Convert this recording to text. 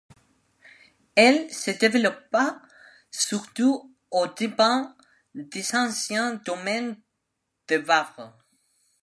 Elle se développa surtout aux dépens des anciens domaines de Vabres.